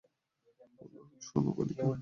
শুনো, বালিকা।